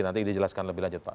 nanti dijelaskan lebih lanjut pak